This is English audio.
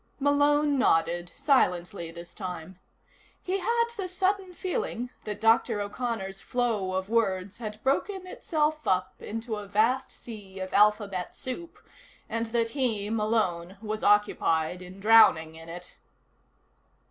Malone nodded, silently this time. He had the sudden feeling that Dr. O'Connor's flow of words had broken itself up into a vast sea of alphabet soup, and that he, Malone, was occupied in drowning in it.